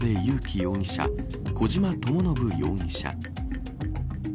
容疑者小島智信容疑者。